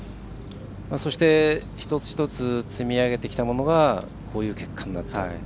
そして、一つ一つ積み上げてきたものがこういう結果になった。